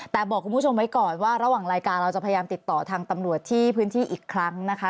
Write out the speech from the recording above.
แต่บอกคุณผู้ชมไว้ก่อนว่าระหว่างรายการเราจะพยายามติดต่อทางตำรวจที่พื้นที่อีกครั้งนะคะ